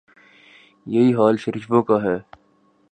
یہی حال شریفوں کا ہے۔